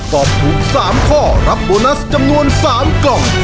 ตอบถูก๓ข้อรับโบนัสจำนวน๓กล่อง